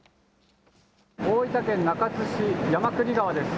大分県中津市山国川です。